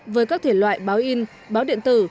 với các thể loại báo in báo điện tử